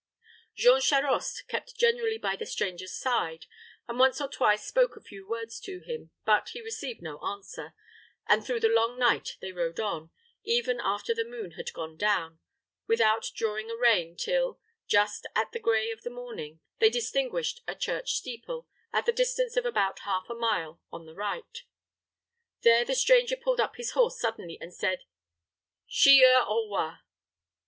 Jean Charost kept generally by the stranger's side, and once or twice spoke a few words to him; but he received no answer, and through the long night they rode on, even after the moon had gone down, without drawing a rein till, just at the gray of the morning, they distinguished a church steeple, at the distance of about half a mile on the right. There the stranger pulled up his horse suddenly, and said, "Chilleurs aux Rois."